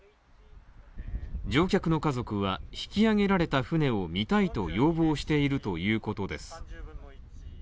乗客の家族は引き揚げられた船を見たいと要望しているということです